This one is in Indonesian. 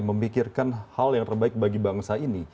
memikirkan hal yang terbaik bagi bangsa ini